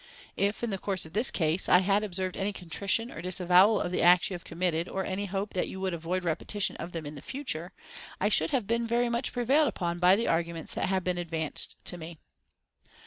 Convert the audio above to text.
If, in the course of this case, I had observed any contrition or disavowal of the acts you have committed, or any hope that you would avoid repetition of them in future, I should have been very much prevailed upon by the arguments that have been advanced to me."